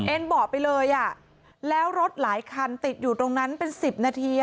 เบาะไปเลยอ่ะแล้วรถหลายคันติดอยู่ตรงนั้นเป็นสิบนาที